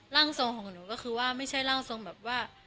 ร่างทรงของหนูก็คือว่าไม่ใช่ร่างทรงแบบว่า